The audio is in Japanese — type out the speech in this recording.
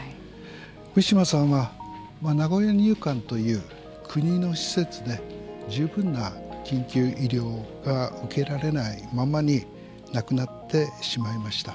ウィシュマさんは名古屋入管という国の施設で十分な緊急医療が受けられないままに亡くなってしまいました。